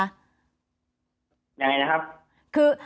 ยังไงนะครับ